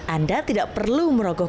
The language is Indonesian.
anda tidak perlu merogohkan